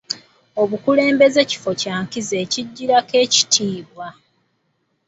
Obukulembeze kifo kya nkizo ekijjirako ekitiibwa.